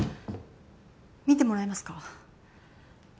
見てもらえますか。